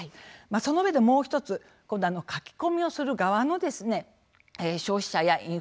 その上でもう一つ書き込みをする側の消費者やインフルエンサー